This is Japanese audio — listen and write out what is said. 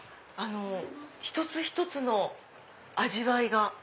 一つ一つの味わいが。